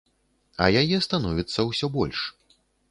А яе становіцца ўсё больш.